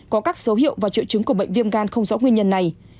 có các dấu hiệu và triệu chứng của bệnh viêm gan không rõ nguyên nhân này